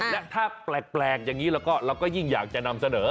และถ้าแปลกอย่างนี้เราก็ยิ่งอยากจะนำเสนอ